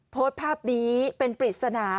โพสต์ภาพนี้เป็นปริศนา